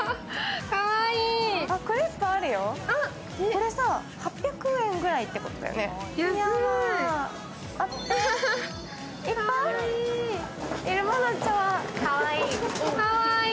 これさ、８００円ぐらいってことだよね、安い。